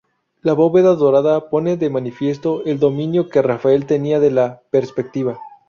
La bóveda dorada pone de manifiesto el dominio que Rafael tenía de la perspectiva.